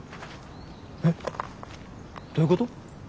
えっ？どういうこと？